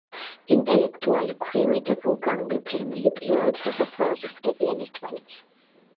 ინტელექტუალი ქვრივი და ვულგარული ფერმერი პირველად სასაფლაოზე ხვდებიან ერთმანეთს.